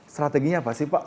strateginya apa sih pak